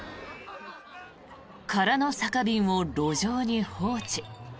空の酒瓶を路上に放置。